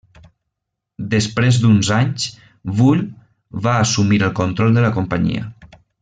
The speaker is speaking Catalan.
Després d'uns anys, Bull va assumir el control de la companyia.